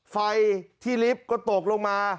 ไฟที่ลิฟต์ก็ตกลงมา